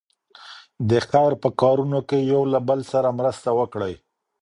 د خیر په کارونو کې یو له بل سره مرسته وکړئ.